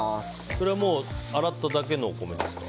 それは洗っただけのお米ですか？